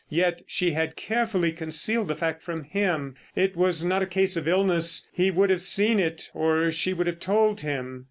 Yet she had carefully concealed the fact from him. It was not a case of illness. He would have seen it or she would have told him.